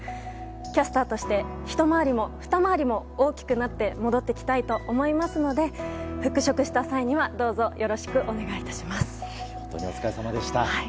キャスターとしてひと回りもふた回りも大きくなって戻ってきたいと思いますので復職した際にはどうもお疲れさまでした。